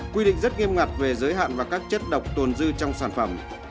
quy định rất nghiêm ngặt về giới hạn và các chất độc tồn dư trong sản phẩm